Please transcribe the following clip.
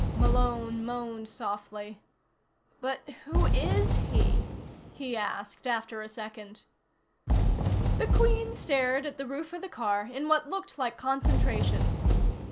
Malone moaned softly. "But who is he?" he asked after a second. The Queen stared at the roof of the car in what looked like concentration.